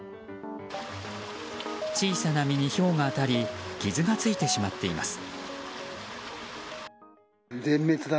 小さな実にひょうが当たり傷がついてしまっています。